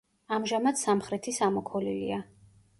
ამჟამად სამხრეთის ამოქოლილია.